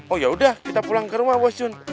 oh ya udah kita pulang ke rumah bos jun